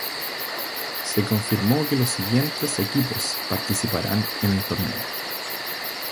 Se confirmó que los siguientes equipos participarán en el torneo.